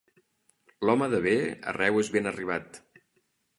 L'home de bé arreu és ben arribat.